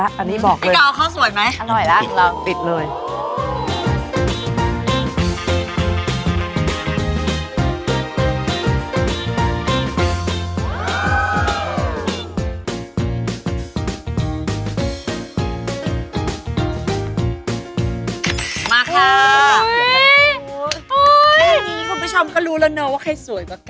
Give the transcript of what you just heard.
อันนี้คุณผู้ชมก็รู้แล้วเนอะว่าใครสวยกว่ากัน